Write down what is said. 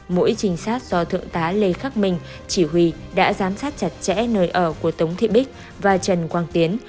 mỗi trinh sát do thượng tá lê khắc minh chỉ huy đã giám sát chặt chẽ nơi ở của tống thị bích và trần quang tiến